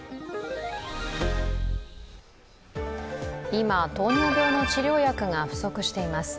今、糖尿病の治療薬が不足しています。